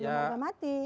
iya belum harga mati